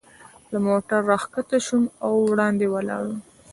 له موټره را کښته شوم او وړاندې ولاړم.